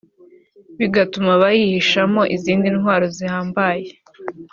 bigatuma bayihishamo izindi ntwaro zihambaye